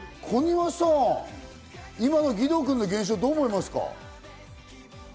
こにわさん、今の義堂君の現象、どう思いますか？